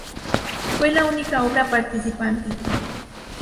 Fue la única obra participante.